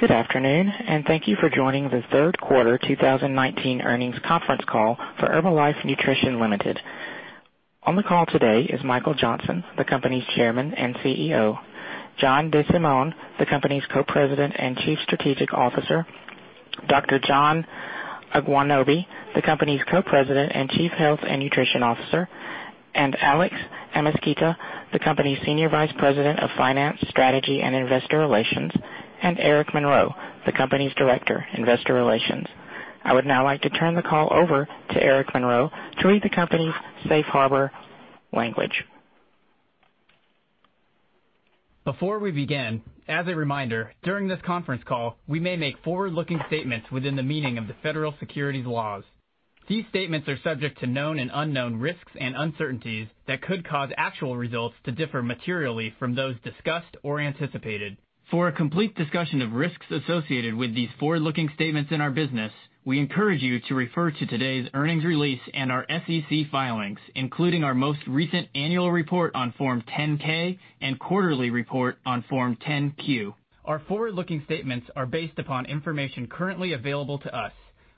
Good afternoon, and thank you for joining the third quarter 2019 earnings conference call for Herbalife Nutrition Ltd. On the call today is Michael Johnson, the company's Chairman and CEO, John DeSimone, the company's Co-President and Chief Strategic Officer, Dr. John Agwunobi, the company's Co-President and Chief Health and Nutrition Officer, and Alex Amezquita, the company's Senior Vice President of Finance, Strategy, and Investor Relations, and Eric Monroe, the company's Director, Investor Relations. I would now like to turn the call over to Eric Monroe to read the company's safe harbor language. Before we begin, as a reminder, during this conference call, we may make forward-looking statements within the meaning of the federal securities laws. These statements are subject to known and unknown risks and uncertainties that could cause actual results to differ materially from those discussed or anticipated. For a complete discussion of risks associated with these forward-looking statements in our business, we encourage you to refer to today's earnings release and our SEC filings, including our most recent annual report on Form 10-K and quarterly report on Form 10-Q. Our forward-looking statements are based upon information currently available to us.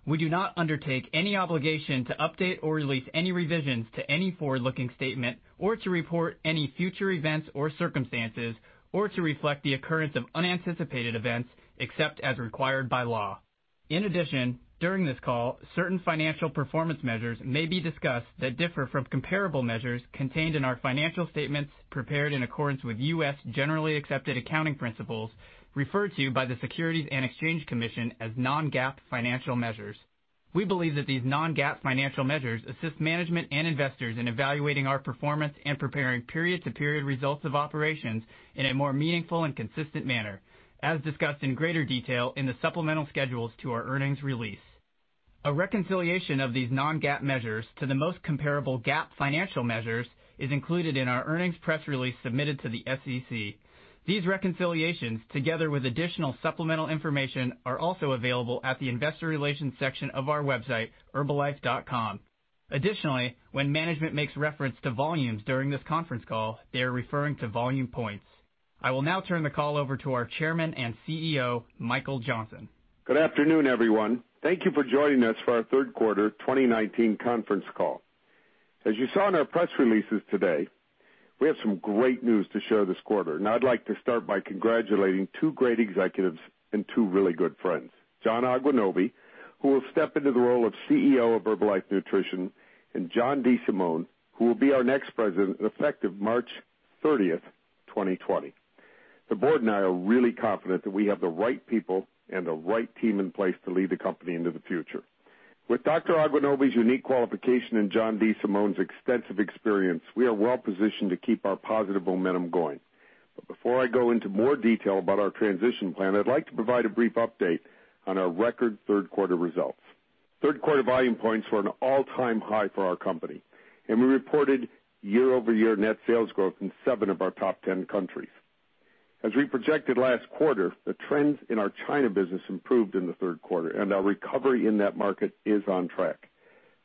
We do not undertake any obligation to update or release any revisions to any forward-looking statement or to report any future events or circumstances, or to reflect the occurrence of unanticipated events, except as required by law. In addition, during this call, certain financial performance measures may be discussed that differ from comparable measures contained in our financial statements prepared in accordance with U.S. generally accepted accounting principles referred to by the Securities and Exchange Commission as non-GAAP financial measures. We believe that these non-GAAP financial measures assist management and investors in evaluating our performance and preparing period-to-period results of operations in a more meaningful and consistent manner, as discussed in greater detail in the supplemental schedules to our earnings release. A reconciliation of these non-GAAP measures to the most comparable GAAP financial measures is included in our earnings press release submitted to the SEC. These reconciliations, together with additional supplemental information, are also available at the investor relations section of our website, herbalife.com. Additionally, when management makes reference to volumes during this conference call, they are referring to Volume Points. I will now turn the call over to our Chairman and CEO, Michael Johnson. Good afternoon, everyone. Thank you for joining us for our third quarter 2019 conference call. As you saw in our press releases today, we have some great news to share this quarter, and I'd like to start by congratulating two great executives and two really good friends, John Agwunobi, who will step into the role of CEO of Herbalife Nutrition, and John DeSimone, who will be our next President effective March 30th, 2020. The Board and I are really confident that we have the right people and the right team in place to lead the company into the future. With Dr. Agwunobi's unique qualification and John DeSimone's extensive experience, we are well-positioned to keep our positive momentum going. Before I go into more detail about our transition plan, I'd like to provide a brief update on our record third quarter results. Third quarter volume points were an all-time high for our company, and we reported year-over-year net sales growth in seven of our top 10 countries. As we projected last quarter, the trends in our China business improved in the third quarter, and our recovery in that market is on track.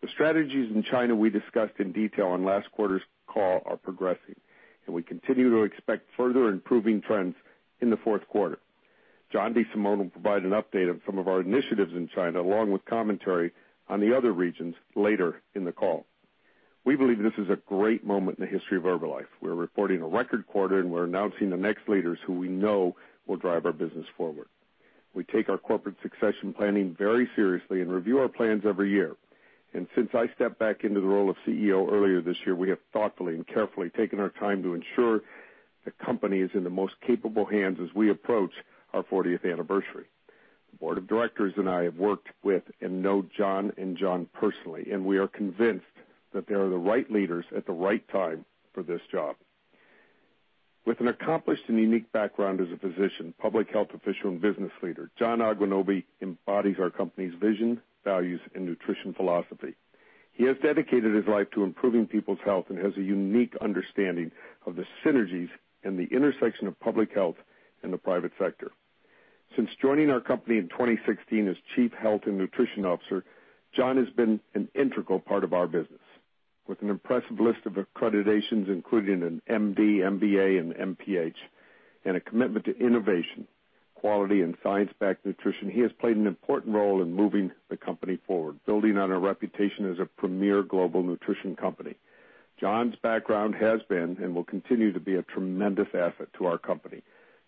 The strategies in China we discussed in detail on last quarter's call are progressing, and we continue to expect further improving trends in the fourth quarter. John DeSimone will provide an update on some of our initiatives in China, along with commentary on the other regions later in the call. We believe this is a great moment in the history of Herbalife. We're reporting a record quarter, and we're announcing the next leaders who we know will drive our business forward. We take our corporate succession planning very seriously and review our plans every year. Since I stepped back into the role of CEO earlier this year, we have thoughtfully and carefully taken our time to ensure the company is in the most capable hands as we approach our 40th anniversary. The board of directors and I have worked with and know John and John personally, and we are convinced that they are the right leaders at the right time for this job. With an accomplished and unique background as a physician, public health official, and business leader, John Agwunobi embodies our company's vision, values, and nutrition philosophy. He has dedicated his life to improving people's health and has a unique understanding of the synergies and the intersection of public health and the private sector. Since joining our company in 2016 as Chief Health and Nutrition Officer, John has been an integral part of our business. With an impressive list of accreditations, including an MD, MBA, and MPH, and a commitment to innovation, quality, and science-backed nutrition, he has played an important role in moving the company forward, building on our reputation as a premier global nutrition company. John's background has been and will continue to be a tremendous asset to our company.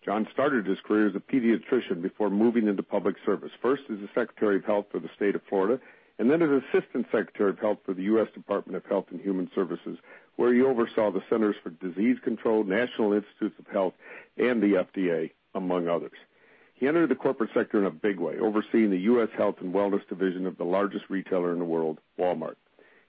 John started his career as a pediatrician before moving into public service, first as a Secretary of Health for the state of Florida and then as Assistant Secretary of Health for the U.S. Department of Health and Human Services, where he oversaw the Centers for Disease Control, National Institutes of Health, and the FDA, among others. He entered the corporate sector in a big way, overseeing the U.S. health and wellness division of the largest retailer in the world, Walmart.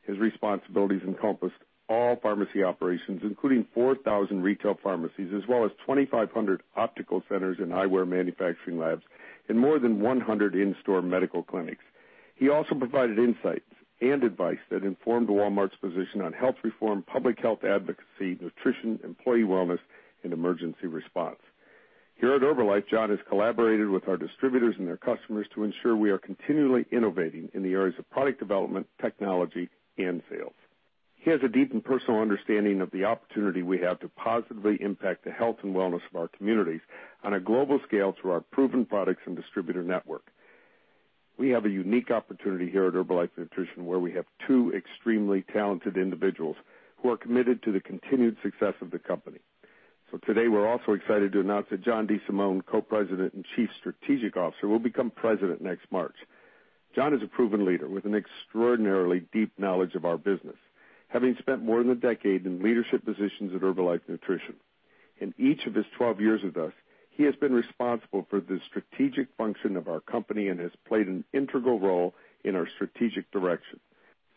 His responsibilities encompassed all pharmacy operations, including 4,000 retail pharmacies, as well as 2,500 optical centers and eyewear manufacturing labs and more than 100 in-store medical clinics. He also provided insights and advice that informed Walmart's position on health reform, public health advocacy, nutrition, employee wellness, and emergency response. Here at Herbalife, John has collaborated with our distributors and their customers to ensure we are continually innovating in the areas of product development, technology, and sales. He has a deep and personal understanding of the opportunity we have to positively impact the health and wellness of our communities on a global scale through our proven products and distributor network. We have a unique opportunity here at Herbalife Nutrition, where we have two extremely talented individuals who are committed to the continued success of the company. Today, we're also excited to announce that John DeSimone, Co-President and Chief Strategic Officer, will become President next March. John is a proven leader with an extraordinarily deep knowledge of our business, having spent more than a decade in leadership positions at Herbalife Nutrition. In each of his 12 years with us, he has been responsible for the strategic function of our company and has played an integral role in our strategic direction.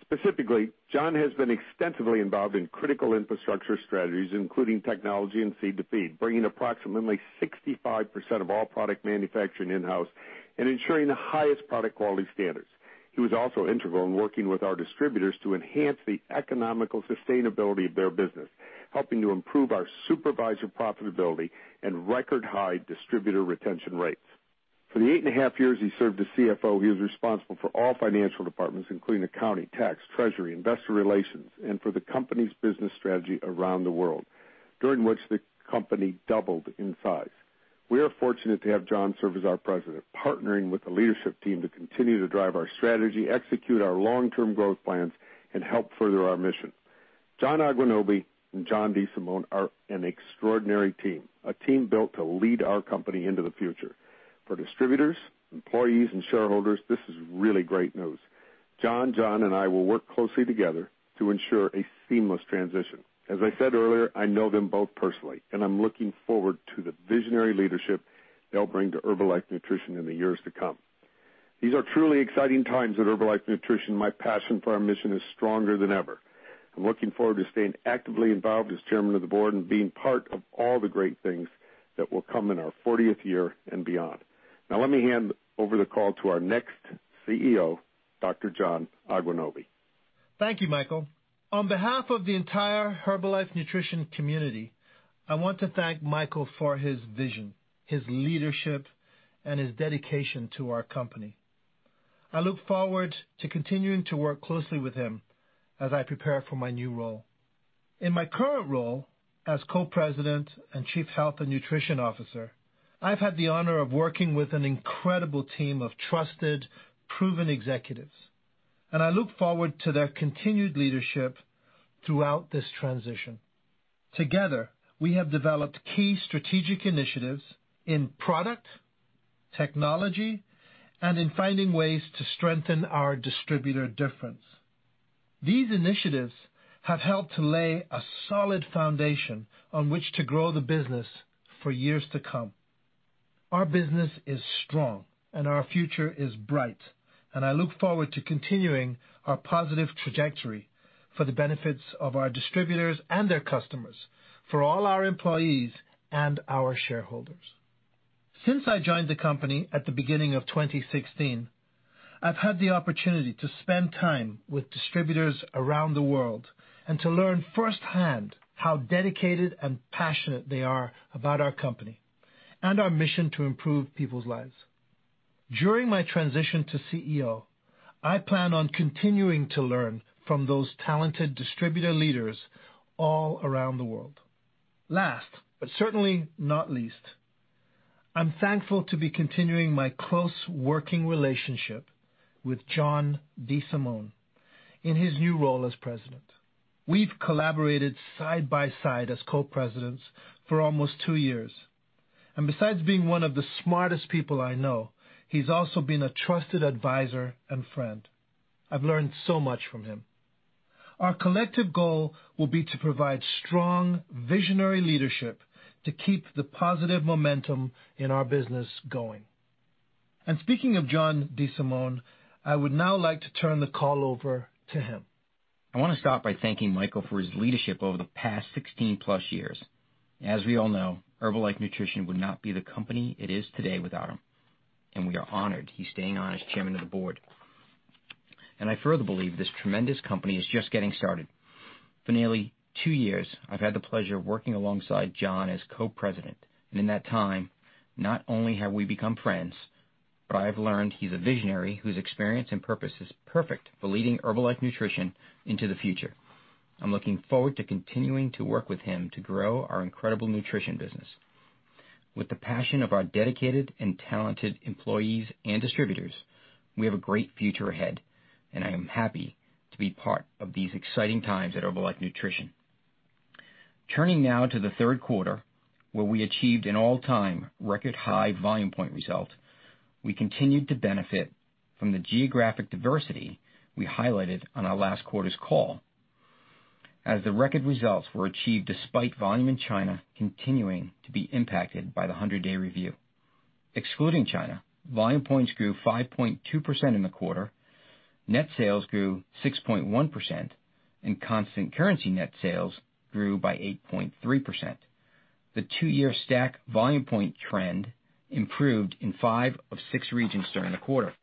Specifically, John has been extensively involved in critical infrastructure strategies, including technology and Seed to Feed, bringing approximately 65% of all product manufacturing in-house and ensuring the highest product quality standards. He was also integral in working with our distributors to enhance the economical sustainability of their business, helping to improve our supervisor profitability and record-high distributor retention rates. For the eight and a half years he served as CFO, he was responsible for all financial departments, including accounting, tax, treasury, investor relations, and for the company's business strategy around the world, during which the company doubled in size. We are fortunate to have John serve as our President, partnering with the leadership team to continue to drive our strategy, execute our long-term growth plans, and help further our mission. John Agwunobi and John DeSimone are an extraordinary team, a team built to lead our company into the future. For distributors, employees, and shareholders, this is really great news. John, and I will work closely together to ensure a seamless transition. As I said earlier, I know them both personally, and I'm looking forward to the visionary leadership they'll bring to Herbalife Nutrition in the years to come. These are truly exciting times at Herbalife Nutrition. My passion for our mission is stronger than ever. I'm looking forward to staying actively involved as chairman of the board and being part of all the great things that will come in our 40th year and beyond. Let me hand over the call to our next CEO, Dr. John Agwunobi. Thank you, Michael. On behalf of the entire Herbalife Nutrition community, I want to thank Michael for his vision, his leadership, and his dedication to our company. I look forward to continuing to work closely with him as I prepare for my new role. In my current role as Co-President and Chief Health and Nutrition Officer, I've had the honor of working with an incredible team of trusted, proven executives, and I look forward to their continued leadership throughout this transition. Together, we have developed key strategic initiatives in product, technology, and in finding ways to strengthen our distributor difference. These initiatives have helped to lay a solid foundation on which to grow the business for years to come. Our business is strong, and our future is bright, and I look forward to continuing our positive trajectory for the benefits of our distributors and their customers, for all our employees and our shareholders. Since I joined the company at the beginning of 2016, I've had the opportunity to spend time with distributors around the world and to learn firsthand how dedicated and passionate they are about our company and our mission to improve people's lives. During my transition to CEO, I plan on continuing to learn from those talented distributor leaders all around the world. Last, but certainly not least, I'm thankful to be continuing my close working relationship with John DeSimone in his new role as President. We've collaborated side by side as co-presidents for almost two years, and besides being one of the smartest people I know, he's also been a trusted advisor and friend. I've learned so much from him. Our collective goal will be to provide strong, visionary leadership to keep the positive momentum in our business going. Speaking of John DeSimone, I would now like to turn the call over to him. I want to start by thanking Michael for his leadership over the past 16-plus years. As we all know, Herbalife Nutrition would not be the company it is today without him, and we are honored he's staying on as Chairman of the Board. I further believe this tremendous company is just getting started. For nearly two years, I've had the pleasure of working alongside John as Co-President, and in that time, not only have we become friends, but I've learned he's a visionary whose experience and purpose is perfect for leading Herbalife Nutrition into the future. I'm looking forward to continuing to work with him to grow our incredible nutrition business. With the passion of our dedicated and talented employees and distributors, we have a great future ahead, and I am happy to be part of these exciting times at Herbalife Nutrition. Turning now to the third quarter, where we achieved an all-time record high Volume Point result, we continued to benefit from the geographic diversity we highlighted on our last quarter's call, as the record results were achieved despite volume in China continuing to be impacted by the 100-day review. Excluding China, Volume Points grew 5.2% in the quarter, net sales grew 6.1%, and constant currency net sales grew by 8.3%. The two-year stack Volume Point trend improved in five of six regions during the quarter.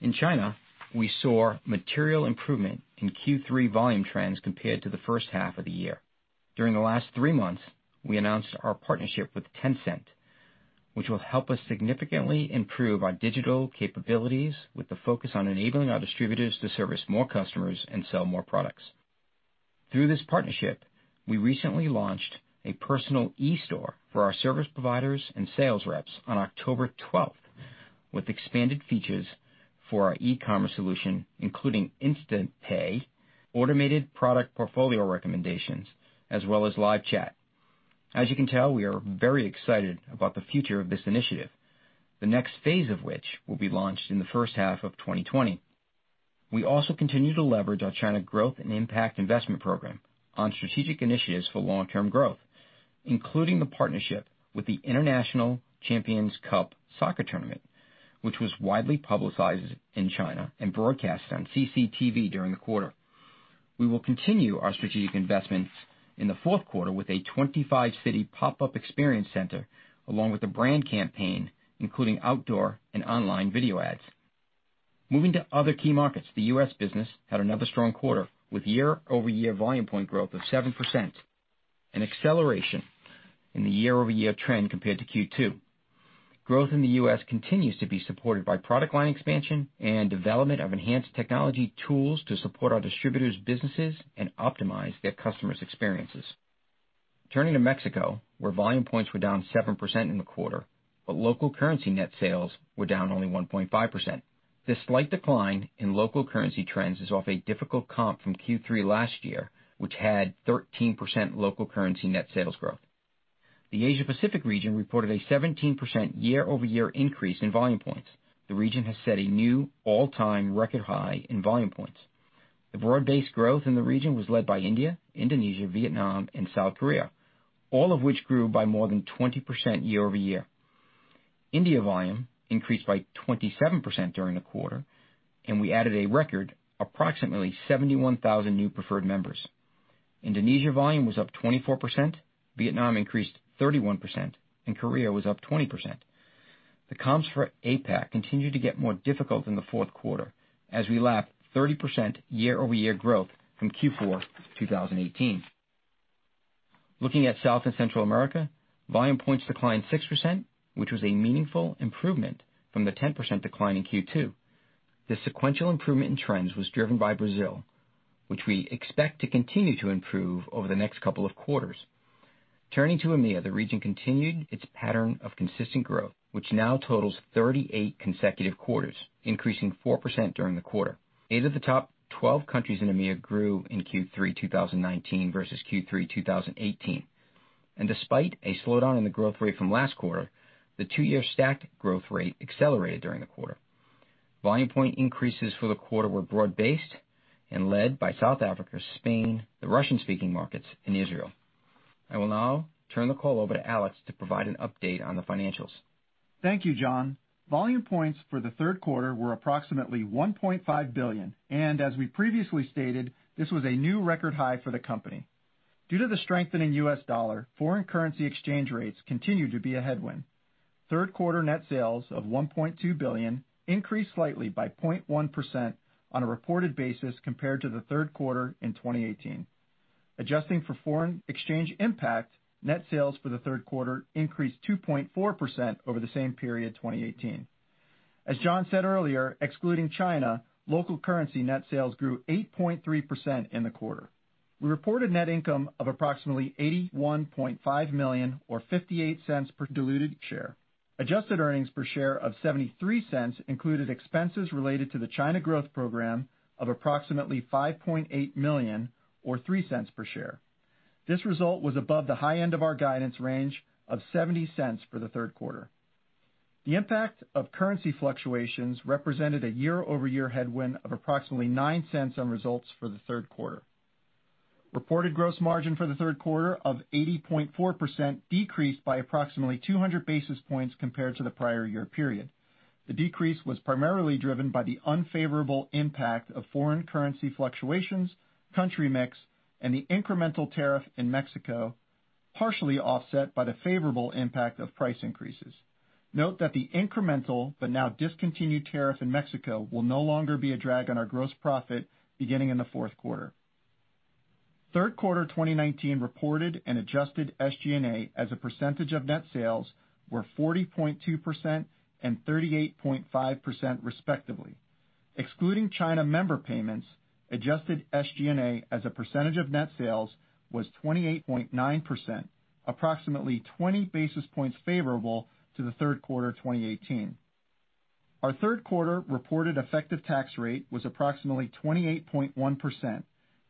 In China, we saw material improvement in Q3 volume trends compared to the first half of the year. During the last three months, we announced our partnership with Tencent, which will help us significantly improve our digital capabilities with the focus on enabling our distributors to service more customers and sell more products. Through this partnership, we recently launched a personal e-store for our service providers and sales reps on October 12th, with expanded features for our e-commerce solution, including instant pay, automated product portfolio recommendations, as well as live chat. As you can tell, we are very excited about the future of this initiative, the next phase of which will be launched in the first half of 2020. We also continue to leverage our China Growth and Impact Investment Program on strategic initiatives for long-term growth, including the partnership with the International Champions Cup soccer tournament, which was widely publicized in China and broadcast on CCTV during the quarter. We will continue our strategic investments in the fourth quarter with a 25-city pop-up experience center, along with a brand campaign, including outdoor and online video ads. Moving to other key markets, the U.S. business had another strong quarter, with year-over-year Volume Points growth of 7%, an acceleration in the year-over-year trend compared to Q2. Growth in the U.S. continues to be supported by product line expansion and development of enhanced technology tools to support our distributors' businesses and optimize their customers' experiences. Turning to Mexico, where Volume Points were down 7% in the quarter, but local currency net sales were down only 1.5%. This slight decline in local currency trends is off a difficult comp from Q3 last year, which had 13% local currency net sales growth. The Asia-Pacific region reported a 17% year-over-year increase in Volume Points. The region has set a new all-time record high in Volume Points. The broad-based growth in the region was led by India, Indonesia, Vietnam, and South Korea, all of which grew by more than 20% year-over-year. India volume increased by 27% during the quarter. We added a record approximately 71,000 new Preferred Customers. Indonesia volume was up 24%, Vietnam increased 31%. Korea was up 20%. The comps for APAC continue to get more difficult in the fourth quarter as we lap 30% year-over-year growth from Q4 2018. Looking at South and Central America, Volume Points declined 6%, which was a meaningful improvement from the 10% decline in Q2. The sequential improvement in trends was driven by Brazil, which we expect to continue to improve over the next couple of quarters. Turning to EMEA, the region continued its pattern of consistent growth, which now totals 38 consecutive quarters, increasing 4% during the quarter. Eight of the top 12 countries in EMEA grew in Q3 2019 versus Q3 2018. Despite a slowdown in the growth rate from last quarter, the two-year stacked growth rate accelerated during the quarter. Volume Points increases for the quarter were broad-based and led by South Africa, Spain, the Russian-speaking markets, and Israel. I will now turn the call over to Alex to provide an update on the financials. Thank you, John. Volume Points for the third quarter were approximately $1.5 billion, as we previously stated, this was a new record high for the company. Due to the strengthening U.S. dollar, foreign currency exchange rates continue to be a headwind. Third quarter net sales of $1.2 billion increased slightly by 0.1% on a reported basis compared to the third quarter in 2018. Adjusting for foreign exchange impact, net sales for the third quarter increased 2.4% over the same period 2018. As John said earlier, excluding China, local currency net sales grew 8.3% in the quarter. We reported net income of approximately $81.5 million or $0.58 per diluted share. Adjusted earnings per share of $0.73 included expenses related to the China Growth Program of approximately $5.8 million or $0.03 per share. This result was above the high end of our guidance range of $0.70 for the third quarter. The impact of currency fluctuations represented a year-over-year headwind of approximately $0.09 on results for the third quarter. Reported gross margin for the third quarter of 80.4% decreased by approximately 200 basis points compared to the prior year period. The decrease was primarily driven by the unfavorable impact of foreign currency fluctuations, country mix, and the incremental tariff in Mexico, partially offset by the favorable impact of price increases. Note that the incremental but now discontinued tariff in Mexico will no longer be a drag on our gross profit beginning in the fourth quarter. Third quarter 2019 reported and adjusted SG&A as a percentage of net sales were 40.2% and 38.5% respectively. Excluding China member payments, adjusted SG&A as a percentage of net sales was 28.9%, approximately 20 basis points favorable to the third quarter 2018. Our third quarter reported effective tax rate was approximately 28.1%,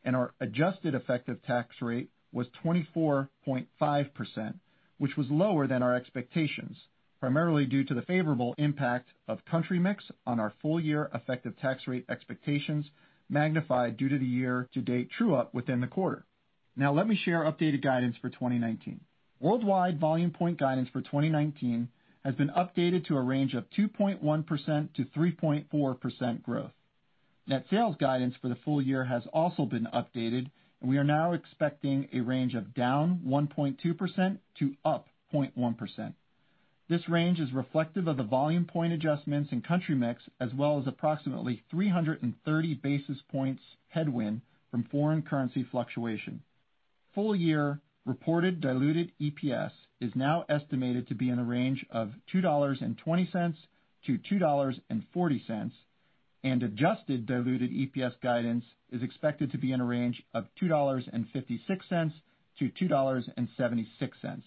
and our adjusted effective tax rate was 24.5%, which was lower than our expectations, primarily due to the favorable impact of country mix on our full-year effective tax rate expectations magnified due to the year-to-date true-up within the quarter. Now let me share updated guidance for 2019. Worldwide Volume Points guidance for 2019 has been updated to a range of 2.1%-3.4% growth. Net sales guidance for the full year has also been updated, and we are now expecting a range of down 1.2% to up 0.1%. This range is reflective of the Volume Points adjustments in country mix, as well as approximately 330 basis points headwind from foreign currency fluctuation. Full year reported diluted EPS is now estimated to be in a range of $2.20-$2.40, and adjusted diluted EPS guidance is expected to be in a range of $2.56-$2.76.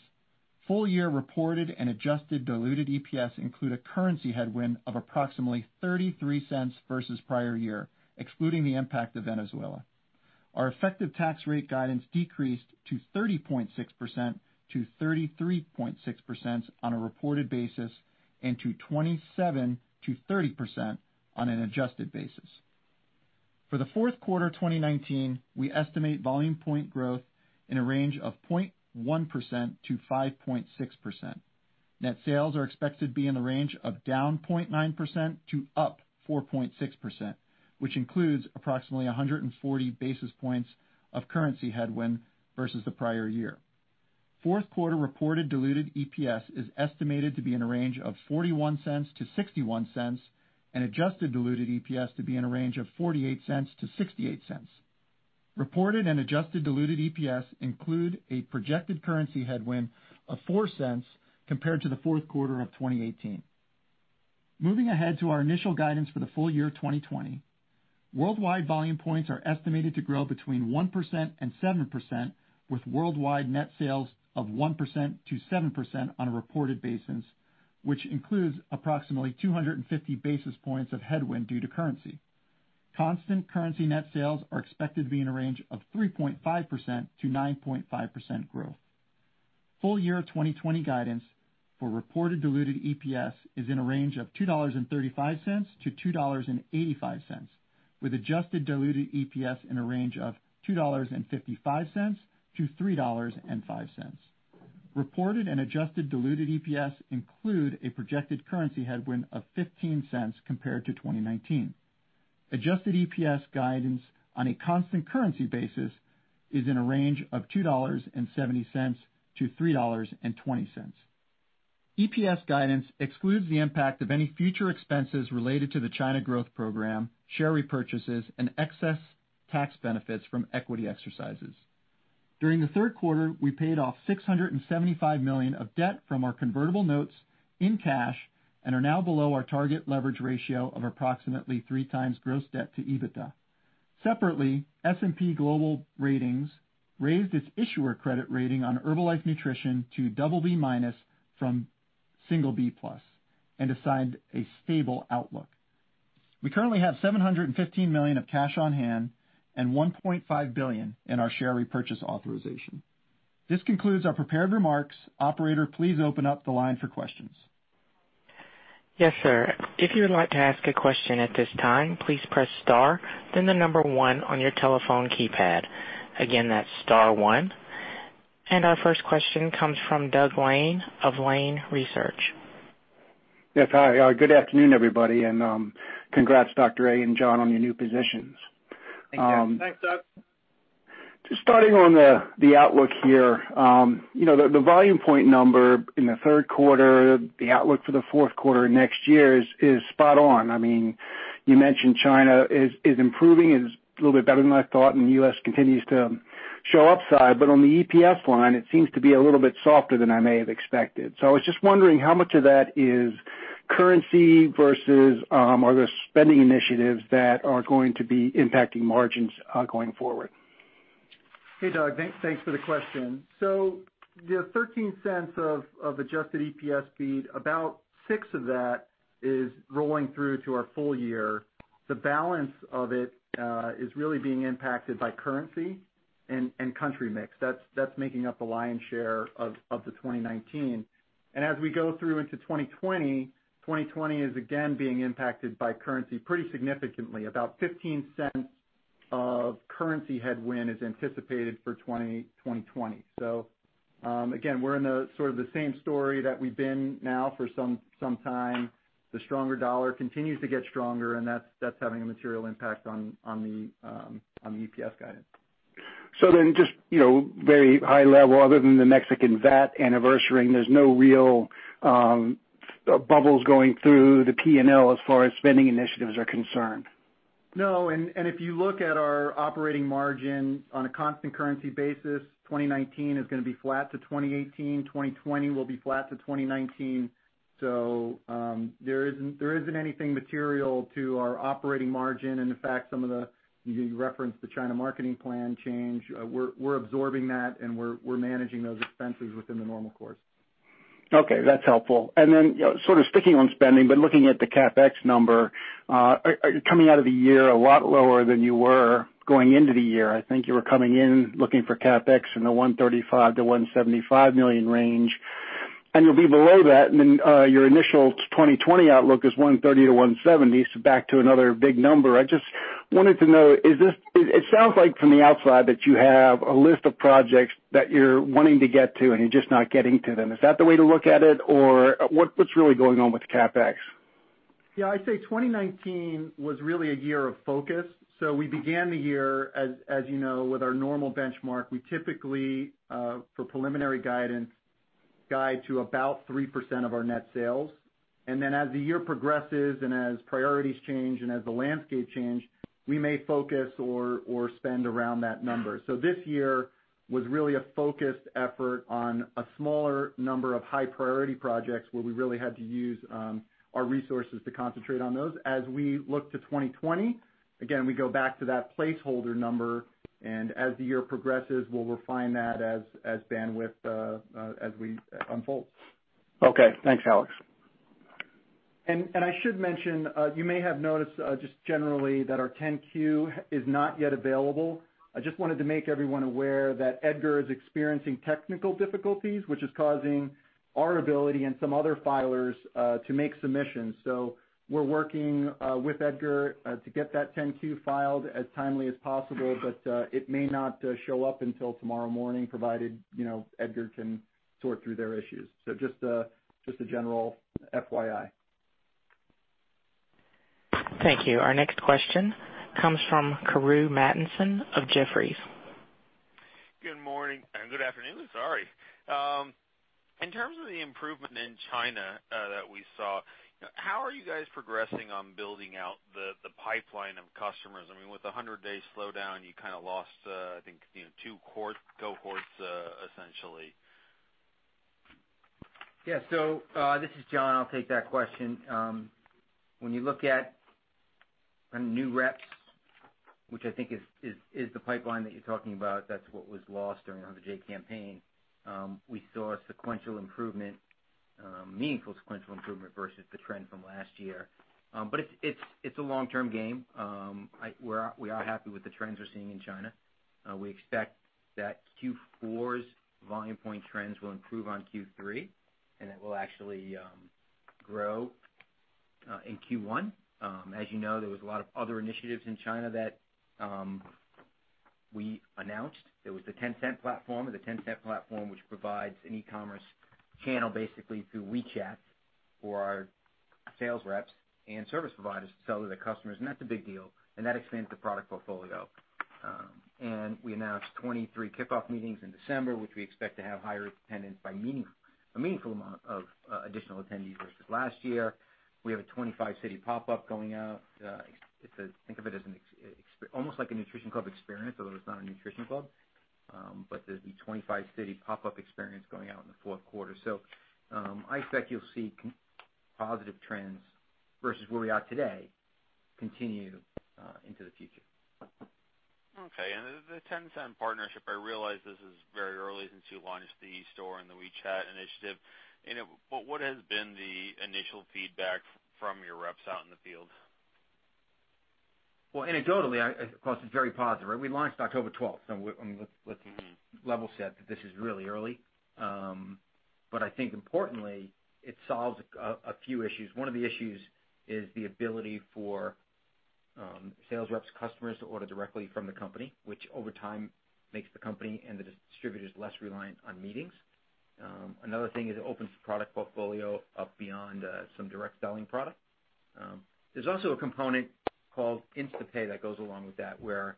Full year reported and adjusted diluted EPS include a currency headwind of approximately $0.33 versus prior year, excluding the impact of Venezuela. Our effective tax rate guidance decreased to 30.6%-33.6% on a reported basis and to 27%-30% on an adjusted basis. For the fourth quarter 2019, we estimate volume point growth in a range of 0.1%-5.6%. Net sales are expected to be in the range of down 0.9% to up 4.6%, which includes approximately 140 basis points of currency headwind versus the prior year. Fourth quarter reported diluted EPS is estimated to be in a range of $0.41-$0.61, and adjusted diluted EPS to be in a range of $0.48-$0.68. Reported and adjusted diluted EPS include a projected currency headwind of $0.04 compared to the fourth quarter of 2018. Moving ahead to our initial guidance for the full year 2020, worldwide Volume Points are estimated to grow between 1% and 7%, with worldwide net sales of 1%-7% on a reported basis, which includes approximately 250 basis points of headwind due to currency. Constant currency net sales are expected to be in a range of 3.5%-9.5% growth. Full year 2020 guidance for reported diluted EPS is in a range of $2.35-$2.85, with adjusted diluted EPS in a range of $2.55-$3.05. Reported and adjusted diluted EPS include a projected currency headwind of $0.15 compared to 2019. Adjusted EPS guidance on a constant currency basis is in a range of $2.70 to $3.20. EPS guidance excludes the impact of any future expenses related to the China Growth program, share repurchases, and excess tax benefits from equity exercises. During the third quarter, we paid off $675 million of debt from our convertible notes in cash and are now below our target leverage ratio of approximately 3 times gross debt to EBITDA. Separately, S&P Global Ratings raised its issuer credit rating on Herbalife Nutrition to BB- from B+ and assigned a stable outlook. We currently have $715 million of cash on hand and $1.5 billion in our share repurchase authorization. This concludes our prepared remarks. Operator, please open up the line for questions. Yes, sir. If you would like to ask a question at this time, please press star, then the number one on your telephone keypad. Again, that's star one. Our first question comes from Doug Lane of Lane Research. Yes, hi. Good afternoon, everybody, and congrats, Dr. A and John, on your new positions. Thank you. Thanks, Doug. Starting on the outlook here. The Volume Points number in the third quarter, the outlook for the fourth quarter next year is spot on. You mentioned China is improving, is a little bit better than I thought, and the U.S. continues to show upside. On the EPS line, it seems to be a little bit softer than I may have expected. I was just wondering how much of that is currency versus other spending initiatives that are going to be impacting margins going forward. Hey, Doug. Thanks for the question. The $0.13 of adjusted EPS beat, about $0.06 of that is rolling through to our full year. The balance of it is really being impacted by currency and country mix. That's making up the lion's share of the 2019. As we go through into 2020 is again being impacted by currency pretty significantly. About $0.15 of currency headwind is anticipated for 2020. Again, we're in the sort of the same story that we've been now for some time. The stronger dollar continues to get stronger, and that's having a material impact on the EPS guidance. Just very high level, other than the Mexican VAT anniversary, there's no real bubbles going through the P&L as far as spending initiatives are concerned? No, if you look at our operating margin on a constant currency basis, 2019 is going to be flat to 2018. 2020 will be flat to 2019. There isn't anything material to our operating margin. In fact, some of the, you referenced the China marketing plan change, we're absorbing that, and we're managing those expenses within the normal course. Okay, that's helpful. Sort of sticking on spending, but looking at the CapEx number, coming out of the year a lot lower than you were going into the year. I think you were coming in looking for CapEx in the $135 million-$175 million range, and you'll be below that. Your initial 2020 outlook is $130 million-$170 million, so back to another big number. I just wanted to know, it sounds like from the outside that you have a list of projects that you're wanting to get to, and you're just not getting to them. Is that the way to look at it, or what's really going on with CapEx? Yeah, I'd say 2019 was really a year of focus. We began the year, as you know, with our normal benchmark. We typically, for preliminary guidance, guide to about 3% of our net sales. As the year progresses and as priorities change and as the landscape change, we may focus or spend around that number. This year was really a focused effort on a smaller number of high-priority projects, where we really had to use our resources to concentrate on those. As we look to 2020, again, we go back to that placeholder number, and as the year progresses, we'll refine that as bandwidth, as we unfold. Okay, thanks, Alex. I should mention, you may have noticed just generally that our 10-Q is not yet available. I just wanted to make everyone aware that EDGAR is experiencing technical difficulties, which is causing our ability and some other filers to make submissions. We're working with EDGAR to get that 10-Q filed as timely as possible, but it may not show up until tomorrow morning, provided EDGAR can sort through their issues. Just a general FYI. Thank you. Our next question comes from Carew Mattinson of Jefferies. Good morning. Good afternoon, sorry. In terms of the improvement in China that we saw, how are you guys progressing on building out the pipeline of customers? I mean, with the 100-day Slowdown, you kind of lost, I think two cohorts, essentially. Yeah. This is John, I'll take that question. When you look at new reps, which I think is the pipeline that you're talking about, that's what was lost during the 90-day campaign. We saw a sequential improvement, meaningful sequential improvement versus the trend from last year. It's a long-term game. We are happy with the trends we're seeing in China. We expect that Q4's Volume Point trends will improve on Q3, and it will actually grow in Q1. As you know, there was a lot of other initiatives in China that we announced. There was the Tencent platform, the Tencent platform which provides an e-commerce channel basically through WeChat for our sales reps and service providers to sell to their customers. That's a big deal, that expands the product portfolio. We announced 23 kickoff meetings in December, which we expect to have higher attendance by a meaningful amount of additional attendees versus last year. We have a 25-city pop-up going out. Think of it as almost like a Nutrition Club experience, although it's not a Nutrition Club. There's the 25-city pop-up experience going out in the fourth quarter. I expect you'll see positive trends versus where we are today continue into the future. Okay. The Tencent partnership, I realize this is very early since you launched the e-store and the WeChat initiative. What has been the initial feedback from your reps out in the field? Anecdotally, of course, it's very positive. We launched October 12th. Let's level set that this is really early. I think importantly, it solves a few issues. One of the issues is the ability for sales reps' customers to order directly from the company, which over time makes the company and the distributors less reliant on meetings. Another thing is it opens the product portfolio up beyond some direct selling product. There's also a component called Herbalife Pay that goes along with that, where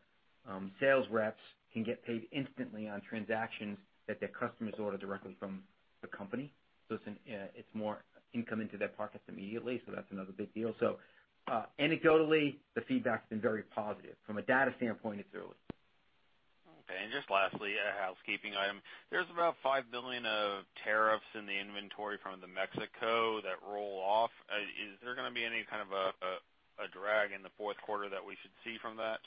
sales reps can get paid instantly on transactions that their customers order directly from the company. It's more income into their pockets immediately. That's another big deal. Anecdotally, the feedback's been very positive. From a data standpoint, it's early. Okay. Just lastly, a housekeeping item. There's about $5 billion of tariffs in the inventory from the Mexico that roll off. Is there going to be any kind of a drag in the fourth quarter that we should see from that?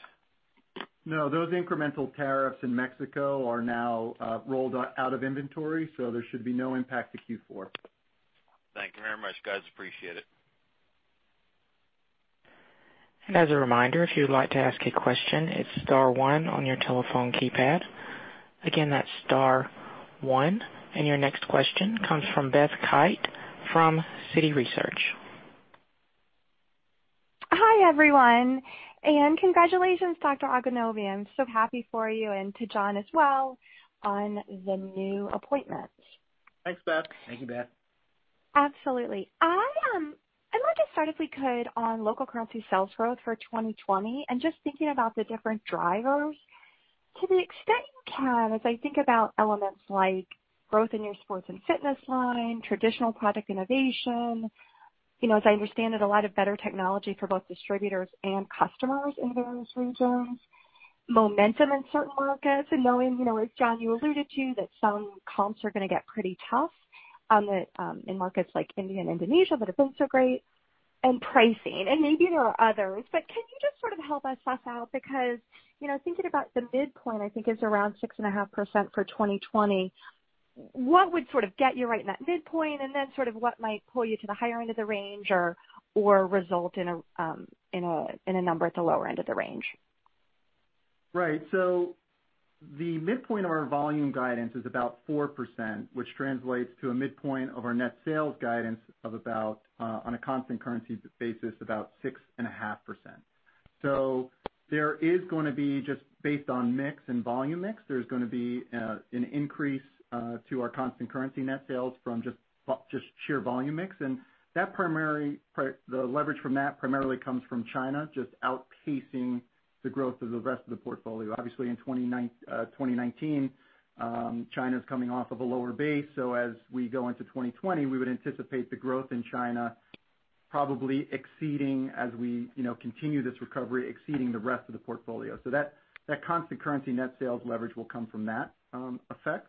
No, those incremental tariffs in Mexico are now rolled out of inventory, so there should be no impact to Q4. Thank you very much, guys. Appreciate it. As a reminder, if you'd like to ask a question, it's star one on your telephone keypad. Again, that's star one. Your next question comes from Beth Kite from Citi Research. Hi, everyone, and congratulations, Dr. Agwunobi. I'm so happy for you and to John as well on the new appointments. Thanks, Beth. Thank you, Beth. Absolutely. I'd like to start, if we could, on local currency sales growth for 2020 and just thinking about the different drivers. To the extent you can, as I think about elements like growth in your sports and fitness line, traditional product innovation. As I understand it, a lot of better technology for both distributors and customers in those regions. Momentum in certain markets and knowing, as John you alluded to, that some comps are going to get pretty tough in markets like India and Indonesia that have been so great, and pricing and maybe there are others. Can you just sort of help us suss out because thinking about the midpoint, I think is around 6.5% for 2020. What would sort of get you right in that midpoint and then sort of what might pull you to the higher end of the range or result in a number at the lower end of the range? Right. The midpoint of our volume guidance is about 4%, which translates to a midpoint of our net sales guidance of about, on a constant currency basis, about 6.5%. There is going to be, just based on mix and volume mix, there's going to be an increase to our constant currency net sales from just sheer volume mix. The leverage from that primarily comes from China, just outpacing the growth of the rest of the portfolio. Obviously, in 2019, China's coming off of a lower base, as we go into 2020, we would anticipate the growth in China probably exceeding, as we continue this recovery, exceeding the rest of the portfolio. That constant currency net sales leverage will come from that effect.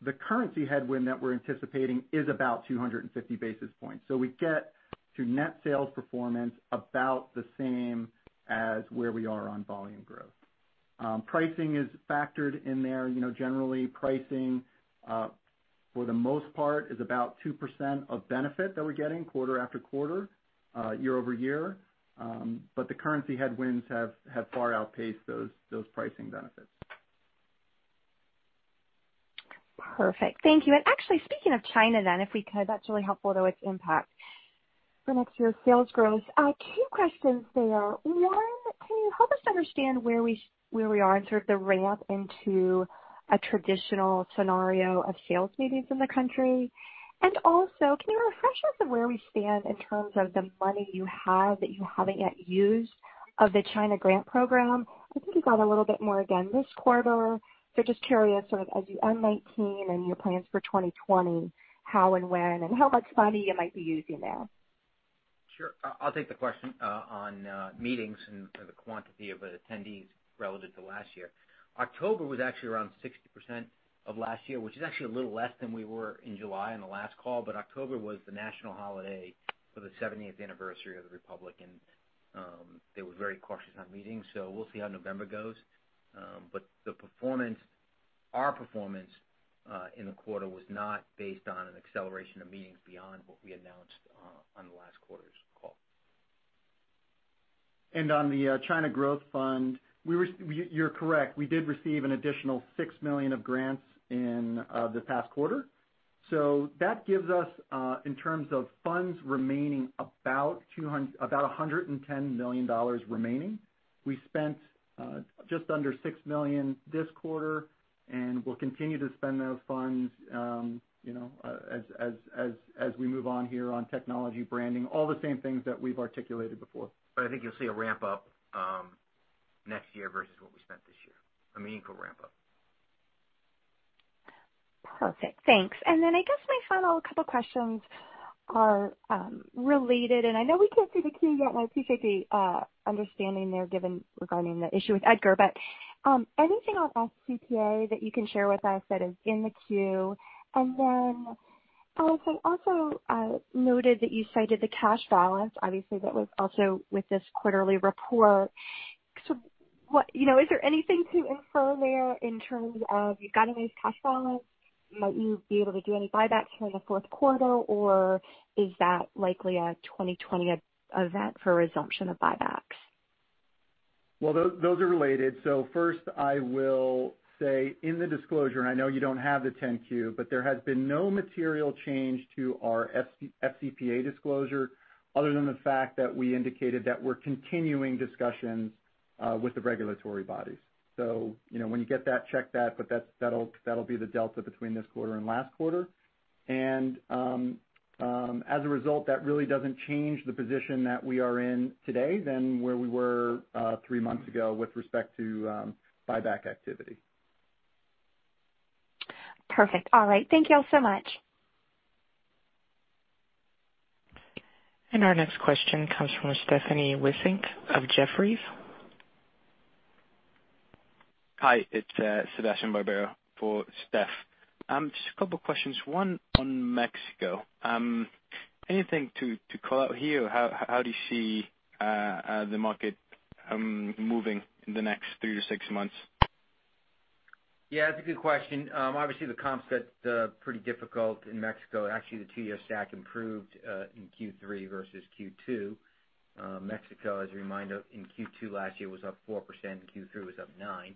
The currency headwind that we're anticipating is about 250 basis points. We get to net sales performance about the same as where we are on volume growth. Pricing is factored in there. Generally, pricing, for the most part, is about 2% of benefit that we're getting quarter after quarter, year-over-year. The currency headwinds have far outpaced those pricing benefits. Perfect. Thank you. Actually, speaking of China then, if we could, that's really helpful though, its impact for next year sales growth. Two questions there. One, can you help us understand where we are in sort of the ramp into a traditional scenario of sales meetings in the country? Also, can you refresh us on where we stand in terms of the money you have that you haven't yet used of the China grant Program? I think you got a little bit more again this quarter. Just curious, sort of as you end 2019 and your plans for 2020, how and when and how much money you might be using there? Sure. I'll take the question on meetings and the quantity of attendees relative to last year. October was actually around 60% of last year, which is actually a little less than we were in July on the last call, but October was the national holiday for the 70th anniversary of the Republic, and they were very cautious on meetings. We'll see how November goes. Our performance in the quarter was not based on an acceleration of meetings beyond what we announced on the last quarter's call. On the China Growth Fund, you're correct. We did receive an additional $6 million of grants in the past quarter. That gives us, in terms of funds remaining, about $110 million remaining. We spent just under $6 million this quarter, and we'll continue to spend those funds as we move on here on technology, branding, all the same things that we've articulated before. I think you'll see a ramp-up next year versus what we spent this year. A meaningful ramp-up. Perfect. Thanks. Then I guess my final couple questions are related. I know we can't see the 10-Q yet while CCP understanding their given regarding the issue with EDGAR, but anything on FCPA that you can share with us that is in the 10-Q? Also, I noted that I cited the cash balance. Obviously, that was also with this quarterly report. Is there anything to infer there in terms of you've got a nice cash balance, might you be able to do any buybacks here in the fourth quarter, or is that likely a 2020 event for resumption of buybacks? Well, those are related. First I will say in the disclosure, and I know you don't have the 10-Q, but there has been no material change to our FCPA disclosure other than the fact that we indicated that we're continuing discussions with the regulatory bodies. When you get that, check that, but that'll be the delta between this quarter and last quarter. As a result, that really doesn't change the position that we are in today than where we were three months ago with respect to buyback activity. Perfect. All right. Thank you all so much. Our next question comes from Stephanie Wissink of Jefferies. Hi, it's Sebastian Barbero for Steph. Just a couple questions. One on Mexico. Anything to call out here? How do you see the market moving in the next three to six months? Yeah, that's a good question. Obviously, the comps got pretty difficult in Mexico. Actually, the two-year stack improved in Q3 versus Q2. Mexico, as a reminder, in Q2 last year was up 4%. In Q3 was up 9%.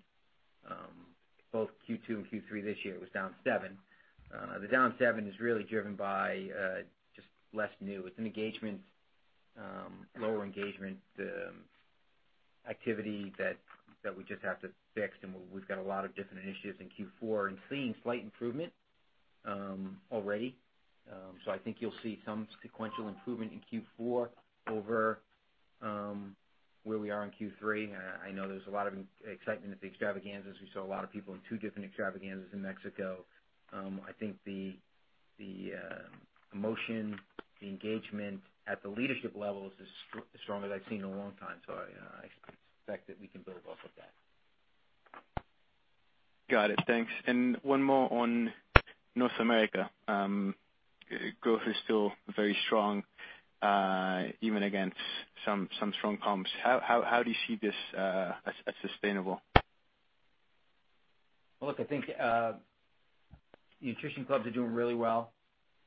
Both Q2 and Q3 this year was down 7%. The down 7% is really driven by just less new. It's an engagement, lower engagement activity that we just have to fix, and we've got a lot of different initiatives in Q4 and seeing slight improvement already. I think you'll see some sequential improvement in Q4 over where we are in Q3. I know there's a lot of excitement at the extravaganzas. We saw a lot of people in two different extravaganzas in Mexico. I think the emotion, the engagement at the leadership levels is as strong as I've seen in a long time. I expect that we can build off of that. Got it. Thanks. One more on North America. Growth is still very strong, even against some strong comps. How do you see this as sustainable? Well, look, I think Nutrition Clubs are doing really well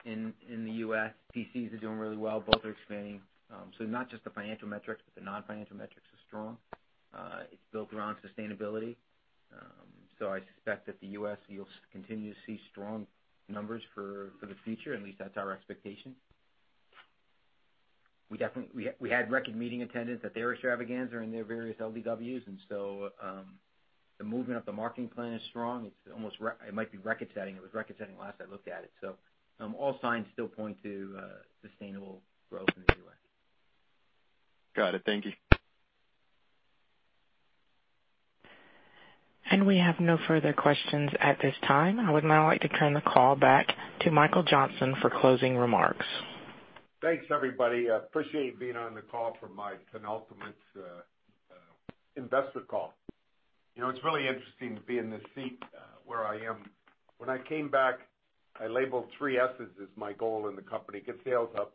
in the U.S. PCs are doing really well. Both are expanding. Not just the financial metrics, but the non-financial metrics are strong. It's built around sustainability. So I suspect that the U.S., you'll continue to see strong numbers for the future. At least that's our expectation. We had record meeting attendance at their Extravaganza and their various LDWs, the movement of the marketing plan is strong. It might be record-setting. It was record-setting last I looked at it. All signs still point to sustainable growth in the U.S. Got it. Thank you. We have no further questions at this time. I would now like to turn the call back to Michael Johnson for closing remarks. Thanks, everybody. I appreciate being on the call for my penultimate investor call. It's really interesting to be in this seat where I am. When I came back, I labeled three S's as my goal in the company: get sales up,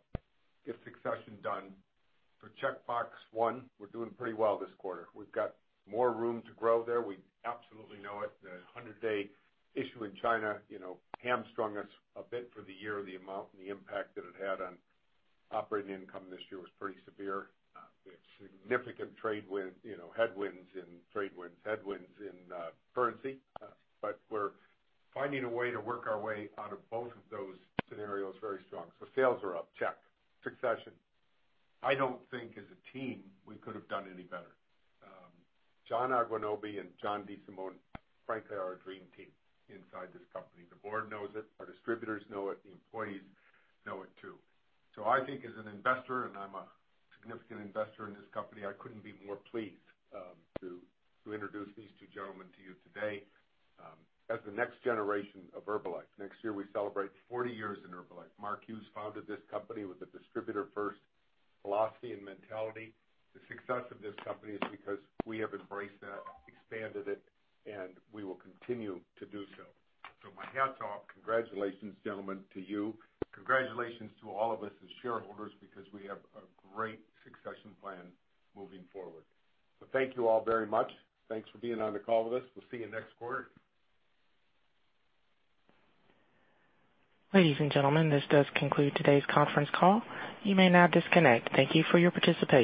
get succession done. For checkbox 1, we're doing pretty well this quarter. We've got more room to grow there. We absolutely know it. The 100-day review in China hamstrung us a bit for the year. The amount and the impact that it had on operating income this year was pretty severe. The significant headwinds in currency, but we're finding a way to work our way out of both of those scenarios very strong. Sales are up, check. Succession. I don't think as a team we could've done any better. John Agwunobi and John DeSimone, frankly, are a dream team inside this company. The board knows it, our distributors know it, the employees know it too. I think as an investor, and I'm a significant investor in this company, I couldn't be more pleased to introduce these two gentlemen to you today as the next generation